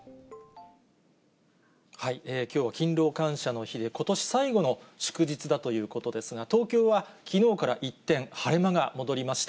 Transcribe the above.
きょうは勤労感謝の日で、ことし最後の祝日だということですが、東京はきのうから一転、晴れ間が戻りました。